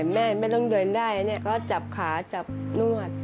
แม่ไม่ต้องเดินได้ก็จับขาจับนวด